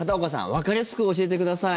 わかりやすく教えてください。